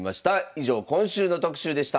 以上今週の特集でした。